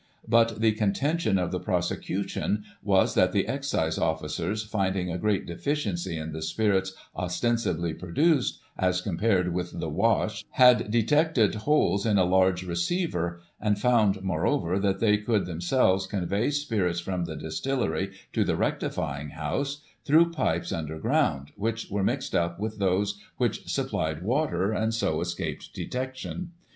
But the contention of the prosecution was, that the Excise officers, finding a great deficiency in the spirits ostensibly produced, as compared with the "wash," had detected holes in a large receiver, and found, moreover, that they could themselves convey spirits from the distillery Digiti ized by Google 1845] THE RAILWAY MANIA. 261 to the rectifying house, through pipes under ground, which were mixed up with those which supplied water, and so escaped detection.